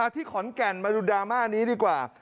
ที่ขอนแก่นมาดูดราม่านี้ดีกว่า